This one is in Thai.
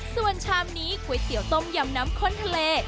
ส่วนชามนี้ก๋วยเตี๋ยวต้มยำน้ำข้นทะเล